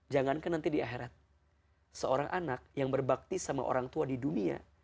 jangankan nanti di akhirat seorang anak yang berbakti sama orang tua di dunia